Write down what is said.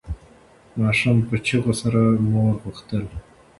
ماشوم په چیغو سره مور غوښتله.